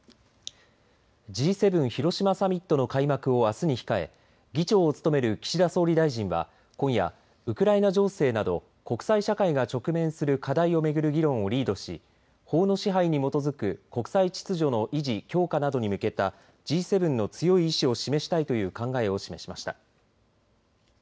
Ｇ７広島サミットの開幕をあすに控え議長を務める岸田総理大臣は今夜ウクライナ情勢など、国際社会が直面する課題を巡る議論をリードし法の支配に基づく国際秩序の維持・強化などに向けたＧ７の強い意志を示したいという考えを示しました。